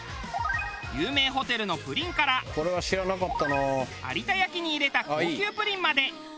有名ホテルのプリンから有田焼に入れた高級プリンまで。